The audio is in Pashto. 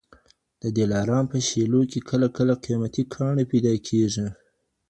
د دلارام په شېلو کي کله کله قیمتي کاڼي پیدا کېږي.